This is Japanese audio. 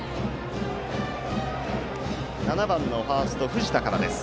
７番のファースト、藤田から。